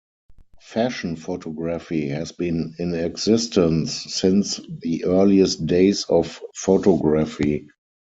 Fashion photography has been in existence since the earliest days of photography.